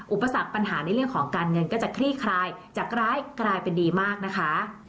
อุปสรรคปัญหาในเรื่องของการเงินก็จะคลี่คลายจากร้ายกลายเป็นดีมากนะคะ